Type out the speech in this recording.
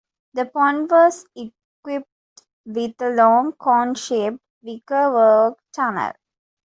The pond was equipped with a long cone-shaped wickerwork tunnel.